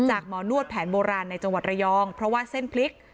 หมอนวดแผนโบราณในจังหวัดระยองเพราะว่าเส้นพลิก